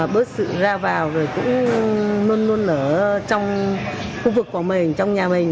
bớt sự ra vào và luôn luôn ở trong khu vực của mình trong nhà mình